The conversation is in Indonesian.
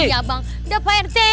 eh ya bang udah payah t